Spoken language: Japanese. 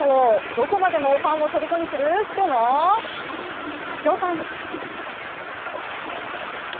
どこまでもファンをとりこにするきょうのＳＨＯＴＩＭＥ。